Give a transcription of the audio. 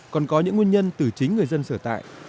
còn có những nguyên nhân từ chính người dân sở tại